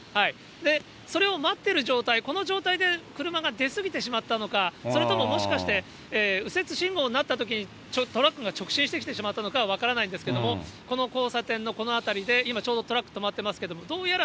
それを待ってる状態、この状態で車が出過ぎてしまったのか、それとももしかして、右折信号になったときにトラックが直進してきてしまったのかは分からないんですけども、この交差点のこの辺りで今ちょうどトラック止まってますけれども、どうやら